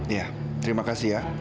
iya terima kasih ya